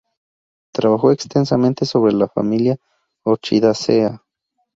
Trabajo extensamente sobre la familia Orchidaceae.